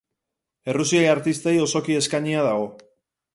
Errusiar artistei osoki eskainia dago.